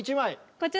こちら。